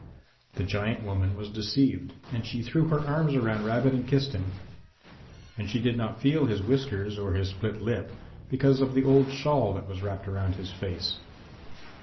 The giant woman was deceived, and she threw her arms around Rabbit and kissed him, and she did not feel his whiskers or his split lip because of the old shawl that was wrapped around his face.